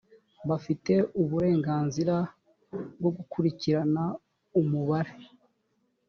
bafite uburenganzira bwo gukurikirana umubare